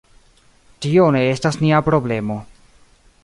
Tio ne estas nia problemo.